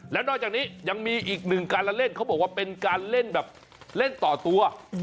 แล้วนอกจากนี้ยังมีอีกหนึ่งการละเล่นเขาบอกว่าเป็นการเล่นแบบเล่นต่อตัว